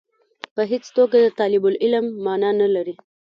په هېڅ توګه د طالب العلم معنا نه لري.